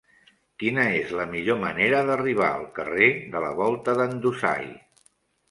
Quina és la millor manera d'arribar al carrer de la Volta d'en Dusai?